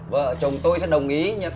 vợ chồng tôi sẽ đồng ý nhé